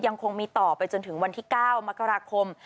ยังคงมีต่อไปจนถึงวันที่๙มกราคม